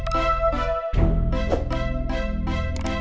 tunggu aku mau ke toilet